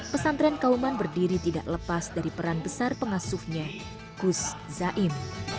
pesantren kauman berdiri tidak lepas dari peran besar pengasuhnya gus zaim